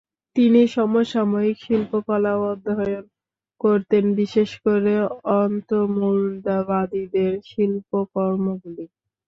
তিনি সমসাময়িক শিল্পকলাও অধ্যয়ন করতেন, বিশেষ করে অন্তর্মুদ্রাবাদীদের শিল্পকর্মগুলি।